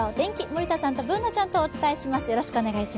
森田さんとＢｏｏｎａちゃんとお伝えします。